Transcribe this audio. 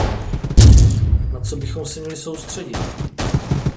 Na co bychom se měli soustředit?